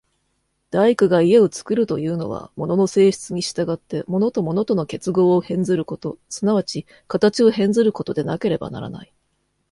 大工が家を造るというのは、物の性質に従って物と物との結合を変ずること、即ち形を変ずることでなければならない。